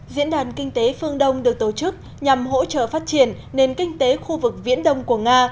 diễn đàn kinh tế phương đông được tổ chức nhằm hỗ trợ phát triển nền kinh tế khu vực viễn đông của nga